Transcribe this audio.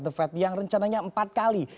the fed yang rencananya empat kali